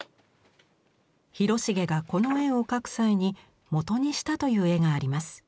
広重がこの絵を描く際に元にしたという絵があります。